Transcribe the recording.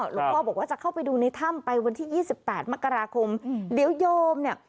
หลวงพ่อบอกว่าจะเข้าไปดูในถ้ำไปวันที่ยี่สิบแปดมกราคมเดี๋ยวโยมเนี่ย